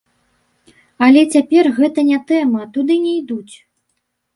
Але цяпер гэта не тэма, туды не ідуць.